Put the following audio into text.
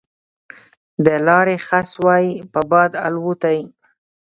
د لارې خس وای په باد الوتای